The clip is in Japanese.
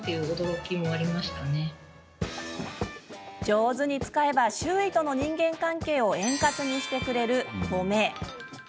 上手に使えば周囲との人間関係を円滑にしてくれる褒め。